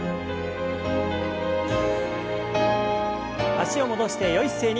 脚を戻してよい姿勢に。